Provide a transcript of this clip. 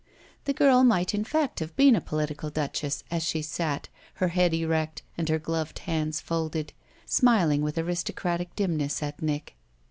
The girl might in fact have been a political duchess as she sat, her head erect and her gloved hands folded, smiling with aristocratic dimness at Nick.